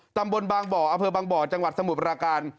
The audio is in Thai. ตำบลบางบ่ออำเภอบางบ่อจังหวัดสมุทรปราการ